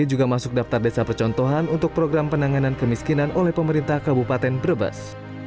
juga masuk daftar desa percontohan untuk program penanganan kemiskinan oleh pemerintah kabupaten brebes